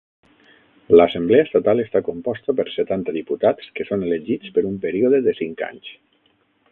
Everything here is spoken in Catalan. L'Assemblea Estatal està composta per setanta diputats que són elegits per un període de cinc anys.